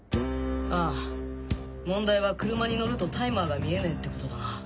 ああ問題は車に乗るとタイマーが見えねえってことだな。